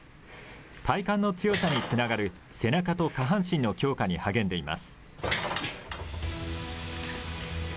体幹の強さにつながる、背中と下半身の強化に励んでいます。